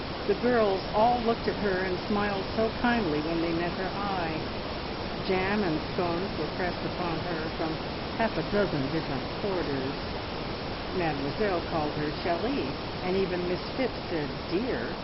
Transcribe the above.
The girls all looked at her and smiled so kindly when they met her eye; jam and scones were pressed upon her from half a dozen different quarters; Mademoiselle called her "cherie," and even Miss Phipps said "dear."